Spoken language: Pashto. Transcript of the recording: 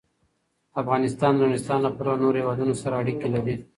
افغانستان د نورستان له پلوه له نورو هېوادونو سره اړیکې لري.